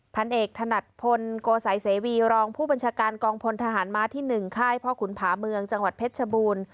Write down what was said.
พันเอกถนัดพลโกสัยเสวีรองผู้บัญชาการกองพลทหารม้าที่๑ค่ายพ่อขุนผาเมืองจังหวัดเพชรชบูรณ์